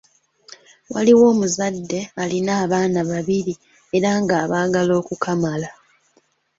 Waaliwo omuzadde alina abaana babiri era nga abaagala okukamala.